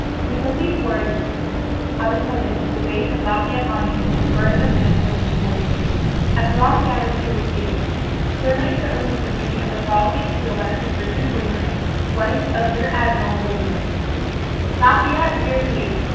We took these words of the President to the base of Lafayette Monument and burned them in a flaming torch. A throng gathered to hear the speakers. Ceremonies were opened with the reading of the following appeal by Mrs. Richard Wainwright, wife of Rear Admiral Wainwright: "Lafayette, we are here!